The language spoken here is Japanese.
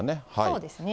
そうですね。